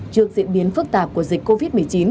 trước diễn biến phức tạp của dịch covid một mươi chín